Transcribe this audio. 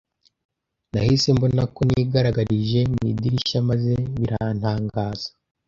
Nahise mbona ko nigaragarije mu idirishya maze birantangaza.